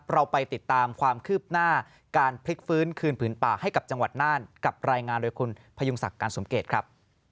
เราไปติดตามความคืบหน้าการพลิกฟื้นคืนผืนป่าให้กับจังหวัดน่านกับรายงานโดยคุณพยุงศักดิ์การสมเกตครับ